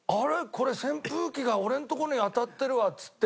これ扇風機が俺のとこに当たってるわっつって。